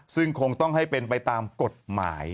ซึ่งคงต้องให้เป็นไปตามกฎหมาย